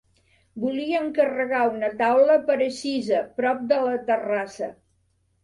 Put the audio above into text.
Volia encarregar una taula per a sisa prop de la terrassa.